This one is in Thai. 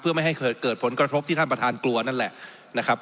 เพื่อไม่ให้เกิดผลกระทบที่ท่านประธานกลัวนั่นแหละนะครับ